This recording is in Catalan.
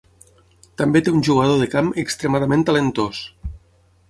També té un jugador de camp extremadament talentós.